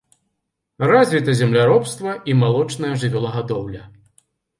Развіта земляробства і малочная жывёлагадоўля.